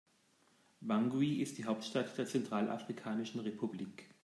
Bangui ist die Hauptstadt der Zentralafrikanischen Republik.